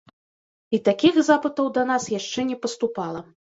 І такіх запытаў да нас яшчэ не паступала.